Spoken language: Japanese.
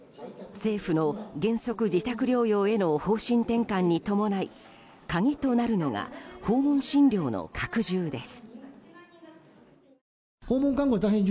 政府の原則自宅療養への方針転換に伴い鍵となるのが訪問診療の拡充です。